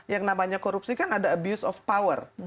yang namanya korupsi kan ada abuse of power